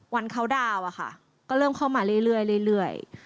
เคาน์ดาวน์ก็เริ่มเข้ามาเรื่อย